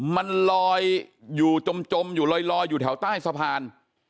มันลอยอยู่จมอยู่ลอยอยู่แถวใต้สะพาน